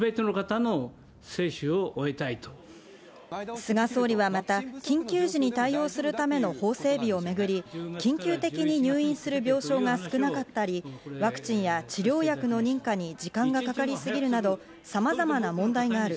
菅総理はまた、緊急時に対応するための法整備をめぐり、緊急的に入院する病床が少なかったり、ワクチンや治療薬の認可に時間がかかりすぎるなど様々な問題がある。